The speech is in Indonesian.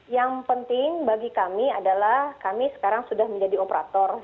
yang penting bagi kami adalah kami sekarang sudah menjadi operator